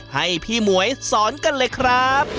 ให้พี่หมวยสอนกันเลยครับ